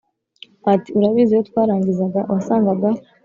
Ati Urabizi iyo twarangizaga wasangaga